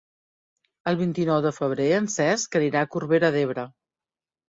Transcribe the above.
El vint-i-nou de febrer en Cesc anirà a Corbera d'Ebre.